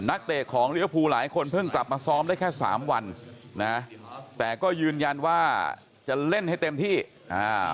เตะของลิเวอร์ภูหลายคนเพิ่งกลับมาซ้อมได้แค่สามวันนะแต่ก็ยืนยันว่าจะเล่นให้เต็มที่อ่า